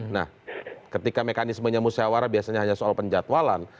nah ketika mekanisme nyamu syawarah biasanya hanya soal penjadwalan